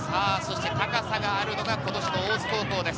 高さがあるのが、この人、大津高校です。